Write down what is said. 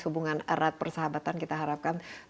hubungan erat persahabatan indonesia dan inggris